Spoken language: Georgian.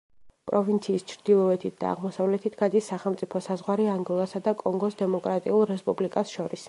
პროვინციის ჩრდილოეთით და აღმოსავლეთით გადის სახელმწიფო საზღვარი ანგოლასა და კონგოს დემოკრატიულ რესპუბლიკას შორის.